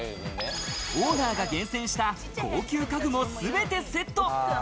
オーナーが厳選した高級家具もすべてセット。